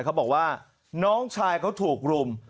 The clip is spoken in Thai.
เขาบอกว่าน้องชายเขาถูกรุม